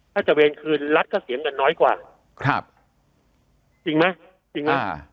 ถ้าจะเวรคืนรัฐก็เสียเงินน้อยกว่าครับจริงไหมจริงไหมอ่า